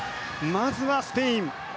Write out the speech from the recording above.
まずは、スペイン。